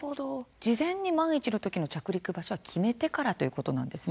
事前に万一の時の着陸場所を決めてからということなんですね。